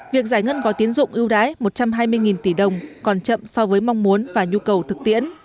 việc giải ngân gói tiến dụng ưu đái một trăm hai mươi tỷ đồng còn chậm so với mong muốn và nhu cầu thực tiễn